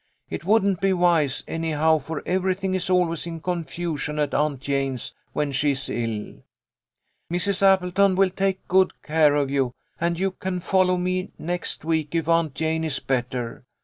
It wouldn't be wise, any how, for everything is always in confusion at Aunt Jane's when she is ill. Mrs. Appleton will take good care of you, and you can follow me next week if Aunt Jane is better.